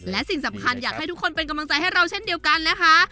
และสิ่งสำคัญอยากให้ทุกคนเป็นกำลังใจให้เราเช่นเดียวกันนะคะ